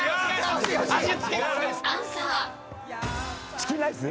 チキンライス？